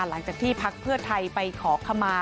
หลังจากที่พักเพื่อไทยไปขอขมา